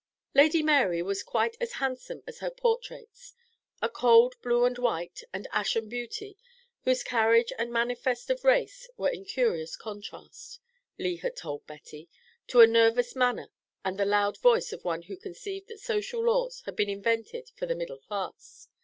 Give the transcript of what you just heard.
Lady Mary was quite as handsome as her portraits: a cold blue and white and ashen beauty whose carriage and manifest of race were in curious contrast, Lee had told Betty, to a nervous manner and the loud voice of one who conceived that social laws had been invented for the middle class.